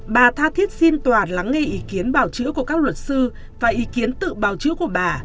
bà tha thiết xin tòa lắng nghe ý kiến bảo chữa của các luật sư và ý kiến tự bào chữa của bà